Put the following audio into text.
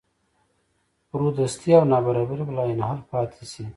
فرودستي او نابرابري به لاینحل پاتې شي.